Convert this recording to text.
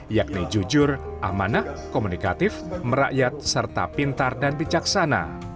yakni jujur amanah komunikatif merakyat serta pintar dan bijaksana